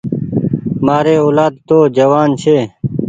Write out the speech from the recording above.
مآري اولآد تو جوآن ڇي۔